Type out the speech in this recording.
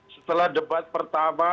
setelah debat pertama